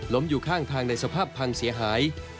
อยู่ข้างทางในสภาพพังเสียหาย